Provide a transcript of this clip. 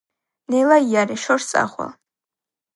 ნელა იარე — შორს წახვალ.